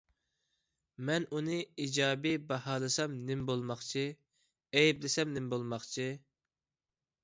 مەن ئۇنى ئىجابىي باھالىسام نېمە بولماقچى، ئەيىبلىسەم نېمە بولماقچى؟